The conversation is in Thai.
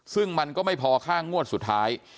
ซึ่งมันก็ไม่พอค่างวดสุดท้าย